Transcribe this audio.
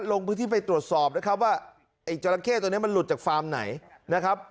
ลงพื้นที่ไปตรวจสอบนะครับว่าไอ้จราเข้ตัวนี้มันหลุดจากฟาร์มไหนนะครับ